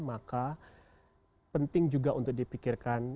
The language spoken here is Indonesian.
maka penting juga untuk dipikirkan